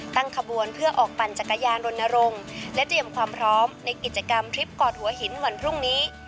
ตั้งขบวนเพื่อออกปั่นจักรยานรณรงค์และเตรียมความพร้อมในกิจกรรมทริปกอดหัวหินวันพรุ่งนี้